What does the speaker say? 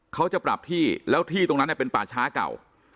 เขาจะปรับที่แล้วที่ตรงนั้นเป็นป่าช้าเก่า